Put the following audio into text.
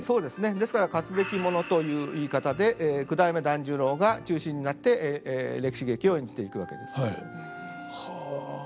ですから活歴物という言い方で九代目團十郎が中心になって歴史劇を演じていくわけです。はあ。